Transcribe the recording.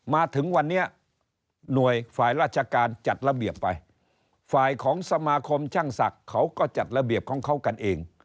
มาถึงวันนี้หน่วยฝ่ายราชการจัดระเบียบไปฝ่ายของสมาคมช่างศักดิ์เขาก็จัดระเบียบของเขากันเอง